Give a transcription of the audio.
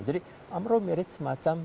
jadi amro mirip semacam